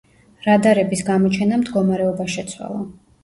რადარების გამოჩენამ მდგომარეობა შეცვალა.